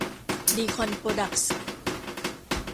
ดีคอนโปรดักส์